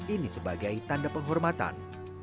ini sebagai tanda penghormatan